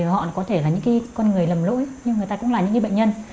họ có thể là những con người lầm lỗi nhưng người ta cũng là những bệnh nhân